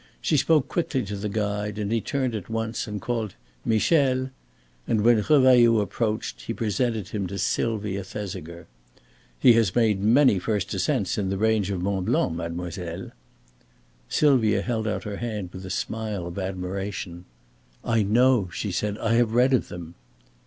She spoke quickly to the guide and he turned at once and called "Michel," and when Revailloud approached, he presented him to Sylvia Thesiger. "He has made many first ascents in the range of Mont Blanc, mademoiselle." Sylvia held out her hand with a smile of admiration. "I know," she said. "I have read of them."